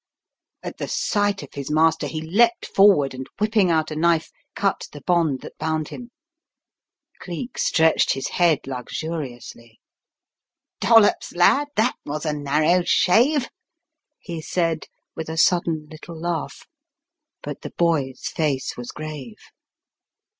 At the sight of his master he leapt forward and whipping out a knife cut the bond that bound him. Cleek stretched his head luxuriously. " Dollops, lad, that was a narrow shave," he said with a sudden little laugh. But the boy's face was grave.